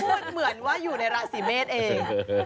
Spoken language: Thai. เหมือนว่าอยู่ในราศีเมษเอง